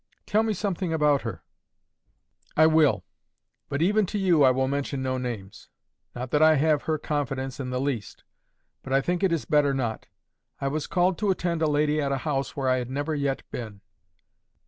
"Tell me something about her." "I will. But even to you I will mention no names. Not that I have her confidence in the least. But I think it is better not. I was called to attend a lady at a house where I had never yet been."